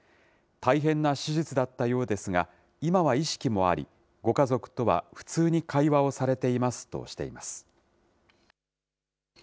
大変な手術だったようですが、今は意識もあり、ご家族とは普通に会話をされていますとしています。